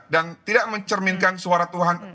dan tidak mencerminkan suara tuhan